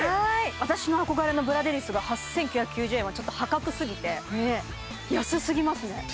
私の憧れのブラデリスが８９９０円はちょっと破格すぎて安すぎますね